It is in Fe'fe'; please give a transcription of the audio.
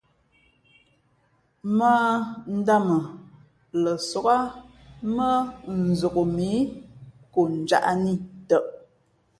Mᾱ ǎ dāmα lα sog ā mά nzok mǐ konjāʼ nǐ tαʼ.